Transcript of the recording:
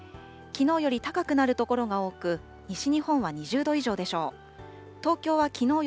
きのうより高くなる所が多く、西日本は２０度以上でしょう。